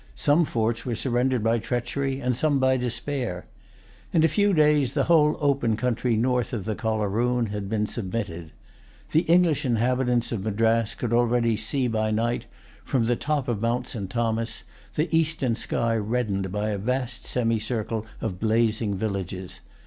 Some forts were surrendered by treachery, and some by despair. In a few days the whole open country north of the Coleroon had submitted. The English inhabitants of Madras could already see by night, from the top of Mount St. Thomas, the eastern sky reddened by a vast semicircle of blazing villages.